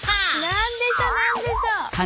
何でしょう何でしょう？